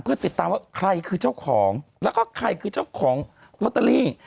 เพื่อติดตามว่าใครคือเจ้าของแล้วก็ใครคือเจ้าของลอตเตอรี่